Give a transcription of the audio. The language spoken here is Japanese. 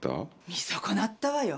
見損なったわよ。